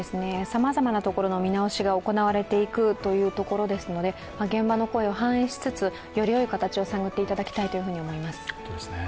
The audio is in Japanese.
さまざまなところの見直しが行われていくというところですので、現場の声を反映しつつよりよい形を探ってほしいと思います。